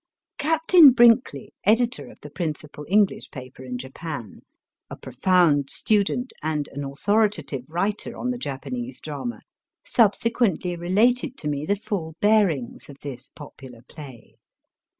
Captain Brinkley, editor of the principal English paper in Japan, a profound student and an authoritative writer on the Japanese drama, subsequently related to me the full bearings of this popular play.